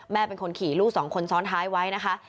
เป็นคนขี่ลูกสองคนซ้อนท้ายไว้นะคะ